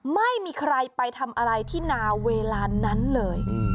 ไม่มีใครไปทำอะไรที่นาเวลานั้นเลย